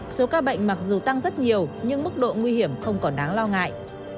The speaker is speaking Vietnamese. số ca bệnh mặc dù tăng rất nhiều nhưng mức độ nguy hiểm không còn đáng lo ngại